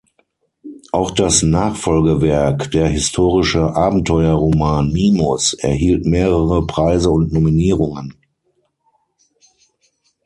Auch das Nachfolgewerk, der historische Abenteuerroman "Mimus", erhielt mehrere Preise und Nominierungen.